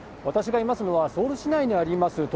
私がいますのは、ソウル市内にあります